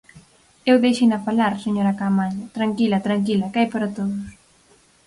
Eu deixeina falar, señora Caamaño; tranquila, tranquila, que hai para todos.